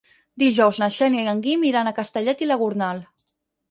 Dijous na Xènia i en Guim iran a Castellet i la Gornal.